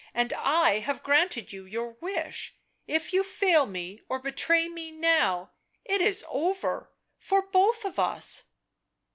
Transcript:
" And I have granted you your wish, if you fail me or betray me now ... it is over — for both of us."